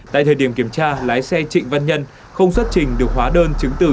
tại thời điểm kiểm tra lái xe trịnh văn nhân không xuất trình được hóa đơn chứng từ